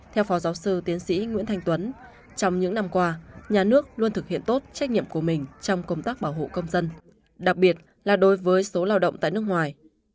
theo phó giáo sư tiến sĩ nguyễn thanh tuấn trong những năm qua nhà nước luôn thực hiện tốt trách nhiệm của mình trong công tác bảo hộ công dân đặc biệt là đối với số lao động tại nước ngoài